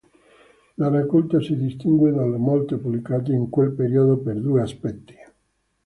La raccolta si distingue dalle molte pubblicate in quel periodo per due aspetti.